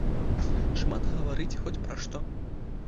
Шмат гаварыць, хоць пра што.